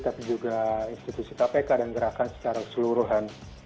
tapi juga institusi kpk dan gerakan secara keseluruhan